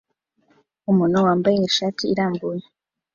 Umuntu wambaye ishati irambuye